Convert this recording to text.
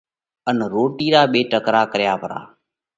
ان روڻِي را ٻي ٽڪرا ڪرئہ پرا۔